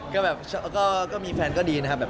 ก็แบบก็มีแฟนก็ดีนะครับ